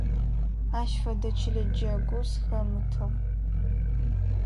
Ащ фэдэ чылэ джэгу сыхэмытыгъ.